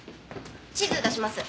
地図出します。